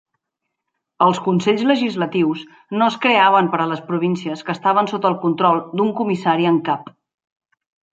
Els consells legislatius no es creaven per a les províncies que estaven sota el control d'un comissari en cap.